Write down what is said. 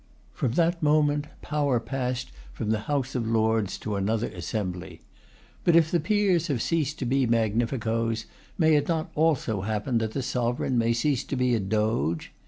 From that moment power passed from the House of Lords to another assembly. But if the peers have ceased to be magnificoes, may it not also happen that the Sovereign may cease to be a Doge?